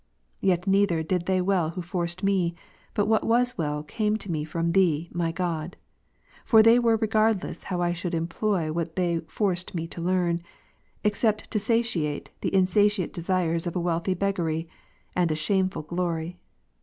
Yet neither did they well Avho forced me, but what was well came to me fi*om Thee, my God. For they were regardless howl should employ what they forced me to learn, except to satiate the insatiate desires of a wealthy beggary, and a shameful glory.